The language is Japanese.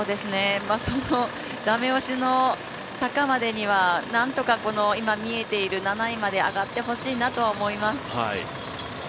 そのダメ押しの坂までにはなんとか今、見えている７位まで上がってほしいなと思います。